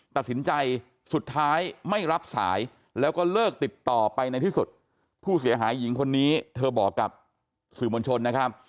ตัดสินใจสุดท้ายไม่รับสายแล้วก็เลิกติดต่อไปในที่สุดผู้เสียหายหญิงคนนี้เธอบอกกับสื่อมวลชนนะครับ